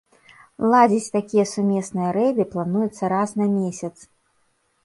Ладзіць такія сумесныя рэйды плануецца раз на месяц.